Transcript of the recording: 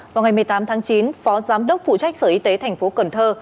vào ngày một mươi tám tháng chín phó giám đốc phụ trách sở y tế thành phố cần thơ